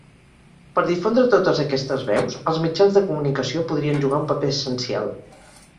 Per difondre totes aquestes veus, els mitjans de comunicació podrien jugar un paper essencial.